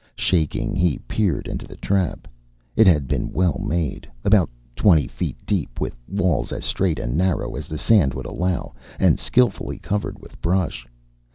Shaking, he peered into the trap. It had been well made about twenty feet deep, with walls as straight and narrow as the sand would allow, and skillfully covered with brush.